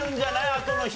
あとの人。